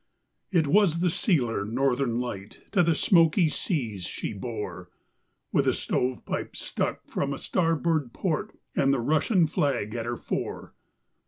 It was the sealer Northern Light, to the Smoky Seas she bore. With a stovepipe stuck from a starboard port and the Russian flag at her fore.